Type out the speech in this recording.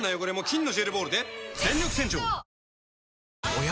おや？